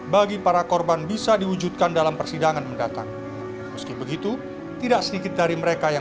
bagi para korban bisa diwujudkan dalam persidangan mendatang meski begitu tidak sedikit dari mereka yang